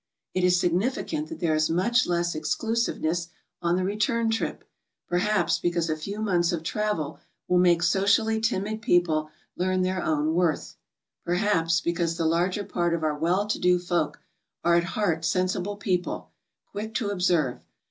It is significant that there is much less exclusiveness on the return trip, per haps because a few months of travel will make socially timid people learn their cnwn worth; perhaps because the larger part of our well to do folk are at heart sensible people, quick to observe.